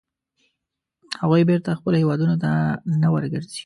هغوی بېرته خپلو هیوادونو ته نه ورګرځي.